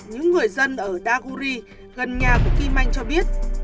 những người dân ở đa guri gần nhà của kim anh cho biết